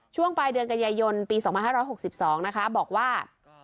ช่วงปลายเดือนกันยายนปี๒๕๖๒นะคะบอกว่า